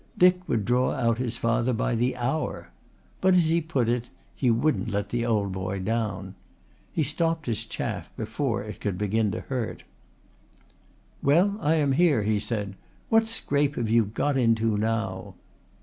Dick would draw out his father by the hour, but, as he put it, he wouldn't let the old boy down. He stopped his chaff before it could begin to hurt. "Well, I am here," he said. "What scrape have you got into now?"